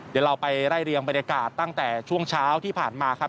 เดี๋ยวเราไปไล่เรียงบรรยากาศตั้งแต่ช่วงเช้าที่ผ่านมาครับ